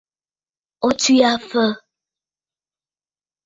O tswe aa fa?